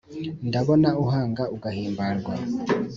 ndabona uhanga ugahimbarwa